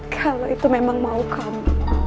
kalau itu memang mau kamu